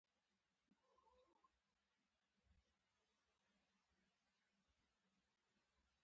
لویدیځه خوا یې په ساختمان کې ساده ده.